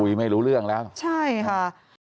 ไม่รู้เรื่องแล้วใช่ค่ะ